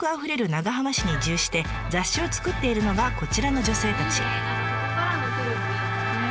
長浜市に移住して雑誌を作っているのがこちらの女性たち。